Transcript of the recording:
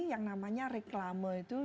yang namanya reklama itu